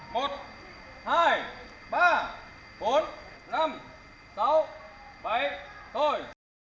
đứng lại đứng một hai ba bốn năm sáu bảy thôi